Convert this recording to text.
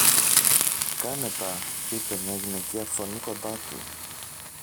Κάνε τα, είπε μια γυναικεία φωνή κοντά του.